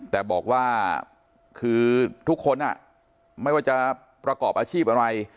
แต่บอกว่าคือทุกคนไม่ว่าจะประกอบอาชีพอะไร